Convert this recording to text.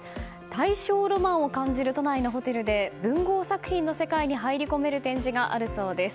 大正ロマンを感じる都内のホテルで文豪作品の世界に入り込める展示があるそうです。